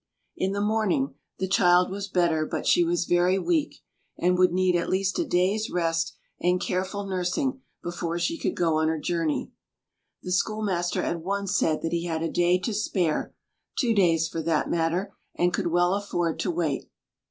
In the morning the child was better, but she was very weak, and would need at least a day's rest and careful nursing before she could go on her journey. The schoolmaster at once said that he had a day to spare—two days for that matter—and could well afford to wait.